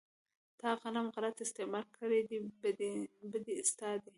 تا قلم غلط استعمال کړى دى بدي ستا ده.